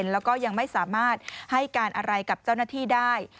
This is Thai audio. แล้วก็ยังไม่สามารถให้การอะไรกับเจ้าหน้าที่ได้